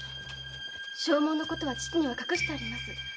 証文のことは父には隠してあります。